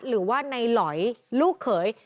หรือว่าในหลอยลูกเขย